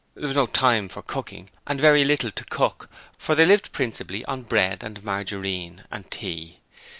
There was no time for cooking and very little to cook, for they lived principally on bread and margarine and tea.